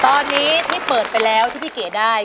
ตอนนี้ที่เปิดไปแล้วที่พี่เก๋ได้